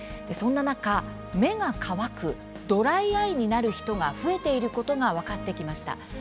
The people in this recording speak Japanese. そんな中、目が乾く「ドライアイ」になる人が増えていることが分かってきました。